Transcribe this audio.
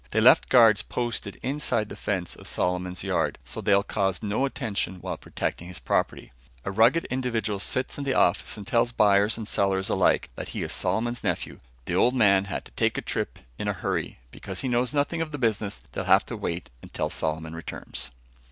They left guards posted inside the fence of Solomon's yard, so they'll cause no attention while protecting his property. A rugged individual sits in the office and tells buyers and sellers alike, that he is Solomon's nephew. "The old man had to take a trip in a hurry." Because he knows nothing of the business, they'll have to wait until Solomon returns.